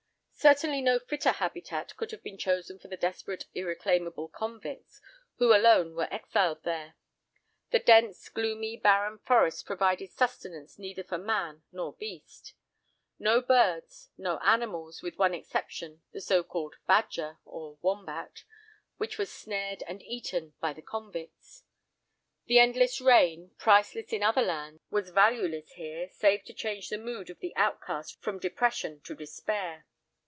Certainly no fitter habitat could have been chosen for the desperate irreclaimable convicts, who alone were exiled there. The dense, gloomy, barren forests provided sustenance neither for man nor beast. No birds—no animals—with one exception, the so called "badger" (or wombat) which was snared, and eaten by the convicts. The endless rain, priceless in other lands, was valueless here, save to change the mood of the outcast from depression to despair.